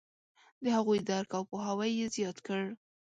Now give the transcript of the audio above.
د هغوی درک او پوهاوی یې زیات کړ.